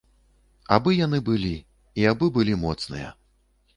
Абы яны былі і абы былі моцныя.